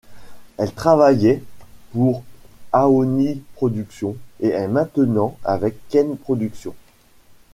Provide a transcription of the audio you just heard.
Elle travaillait pour Aoni Production et est maintenant avec Ken Production.